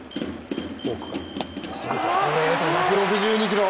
ストレート１６２キロ